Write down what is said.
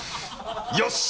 よし！